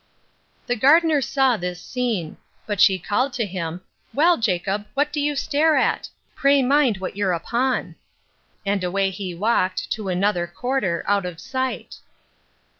The gardener saw this scene: but she called to him, Well, Jacob, what do you stare at? Pray mind what you're upon. And away he walked, to another quarter, out of sight.